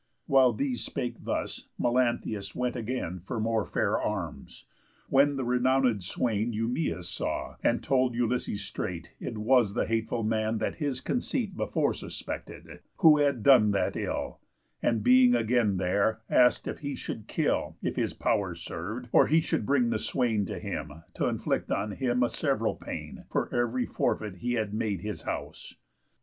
While these spake thus, Melanthius went again For more fair arms; when the renownéd swain Eumæus saw, and told Ulysses straight It was the hateful man that his conceit Before suspected, who had done that ill; And, being again there, ask'd if he should kill, If his pow'r serv'd, or he should bring the swain To him, t' inflict on him a sev'ral pain For ev'ry forfeit he had made his house.